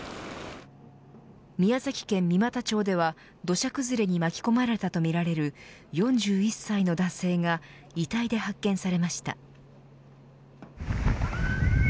宮崎県三股町では土砂崩れに巻き込まれるとみられる４１歳の男性が遺体で発見されました。